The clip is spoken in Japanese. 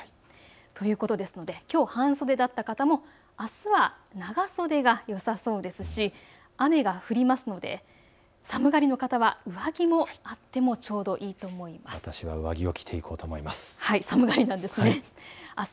ということですのできょう半袖だった方もあすは長袖がよさそうですし、雨が降りますので寒がりの方は上着もあってもちょうどいいと思います。